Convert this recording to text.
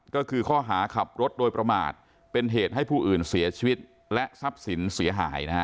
ก็คือข้อหาขับรถโดยประมาทเป็นเหตุให้ผู้อื่นเสียชีวิตและทรัพย์สินเสียหายนะฮะ